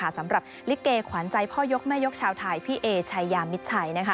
สำหรับลิเกขวัญใจพ่อยกแม่ยกชาวไทยพี่เอชายามิดชัย